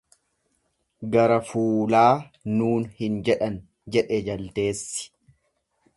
"""Gara fuulaa nuun hin jedhan"" jedhe jaldeessi."